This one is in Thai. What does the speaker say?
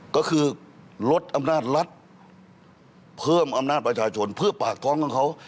ก็คือลดอำนาจรัฐเพิ่มอำนาจประชาชนเพื่อปากท้องของเขา